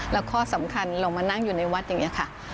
แล้วข้อสำคัญเรามานั่งอยู่ในวัดอย่างนี้ค่ะ